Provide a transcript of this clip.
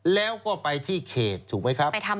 แล้วก็ไปที่เขตถูกไหมครับ